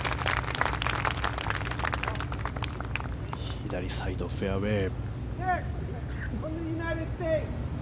左サイド、フェアウェー。